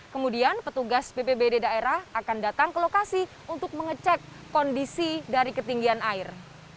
kemudian petugas bpbd daerah akan datang ke lokasi untuk mengecek kondisi dari ketinggian air